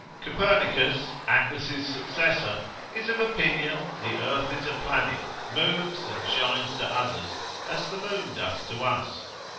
Copernicus, Atlas his successor, is of opinion, the earth is a planet, moves and shines to others, as the moon doth to us.